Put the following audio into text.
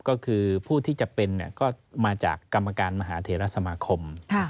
ก็คือผู้ที่จะเป็นก็มาจากกรรมการมหาเทรสมาคม